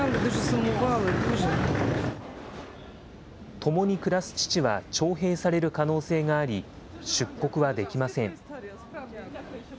共に暮らす父は徴兵される可能性があり、出国はできません。